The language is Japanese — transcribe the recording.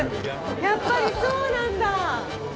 やっぱりそうなんだ。